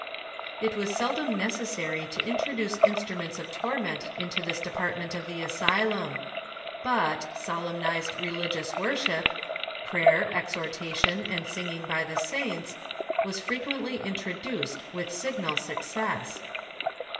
It was seldom necessary to introduce instruments of tor ment into this department of the asylum ; but, solemnized religious worship,— prayer, exhortation, and singing by the saints,— was frequently introduced with signal success.